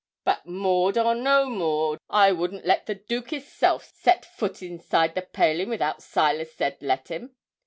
But Maud or no Maud, I wouldn't let the Dooke hisself set foot inside the palin' without Silas said let him.